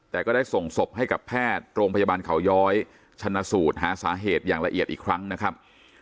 แต่ก็ได้ส่งศพให้กับแพทย์โรงพยาบาลเขาย้อยชนะสูตรหาสาเหตุอย่างละเอียดอีกครั้งนะครับ